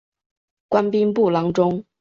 官兵部郎中。